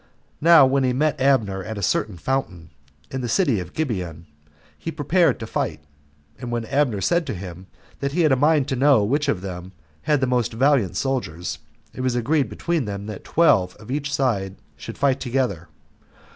Now when he met Abner at a certain fountain, in the city of Gibeon, he prepared to fight. And when Abner said to him, that he had a mind to know which of them had the more valiant soldiers, it was agreed between them that twelve soldiers of each side should fight together.